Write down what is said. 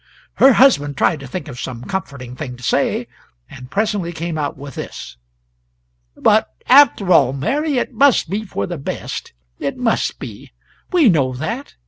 Her husband tried to think of some comforting thing to say, and presently came out with this: "But after all, Mary, it must be for the best it must be; we know that.